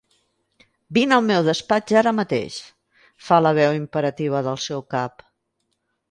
Vine al meu despatx ara mateix —fa la veu imperativa del seu cap.